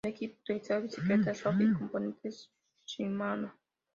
El equipo utiliza bicicletas Look y componentes Shimano.